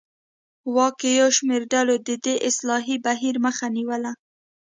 واک کې یو شمېر ډلو د دې اصلاحي بهیر مخه نیوله.